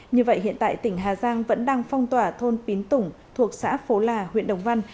như vậy hiện tại tỉnh hà giang vẫn đang phong tỏa thôn pín tủng thuộc xã phố là huyện đồng văn